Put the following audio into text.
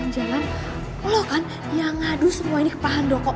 jalan jalan lo kan yang ngadu semua ini kepahang doko